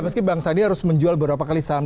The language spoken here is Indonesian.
meski bang sandi harus menjual beberapa kali saham